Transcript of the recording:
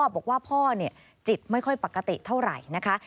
บอกว่าพ่อจิตไม่ค่อยปกติเท่าไหร่นะคะ